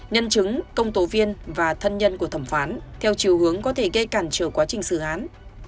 nhân chứng công tố viên và thân nhân của thẩm phán theo chiều hướng có thể gây cản trở quá trình xử án